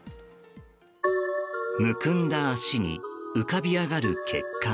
むくんだ足に浮かび上がる血管。